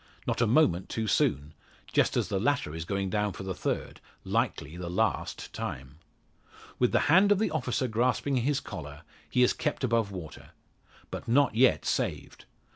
Not a moment too soon just as the latter is going down for the third likely the last time. With the hand of the officer grasping his collar, he is kept above water. But not yet saved.